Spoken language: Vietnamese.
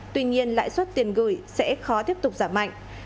tuy nhiên lãi suất tiền gửi sẽ khó tiếp tục giảm mạnh